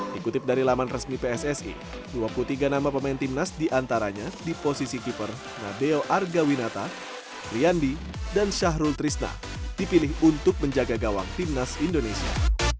dikutip dari laman resmi pssi dua puluh tiga nama pemain timnas diantaranya di posisi keeper nadeo argawinata riandi dan syahrul trisna dipilih untuk menjaga gawang timnas indonesia